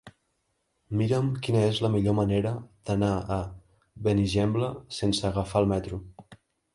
Mira'm quina és la millor manera d'anar a Benigembla sense agafar el metro.